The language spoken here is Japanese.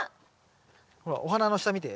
ほらお花の下見て。